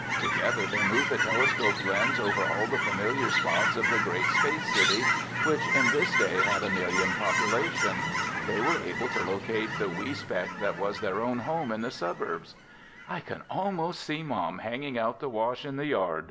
Together they moved the telescope lens over all the familiar spots of the great space city, which in this day had a million population. They were able to locate the wee speck that was their own home in the suburbs. "I can almost see Mom hanging out the wash in the yard!"